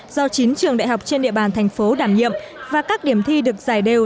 do chín trường đại học trên địa bàn thành phố đảm nhiệm và các điểm thi được giải đều